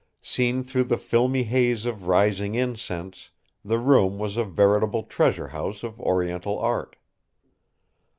Seen through the filmy haze of rising incense, the room was a veritable treasure house of Oriental art.